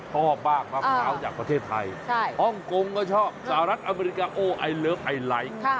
เพราะว่าบ้างมะพร้าวจากประเทศไทยอ้องกงก็ชอบสหรัฐอเมริกาโอ้ไอเลิฟไอไลค์